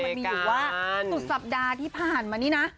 มันมีอยู่ว่าสุดสัปดาห์ที่ผ่านมานี่นะ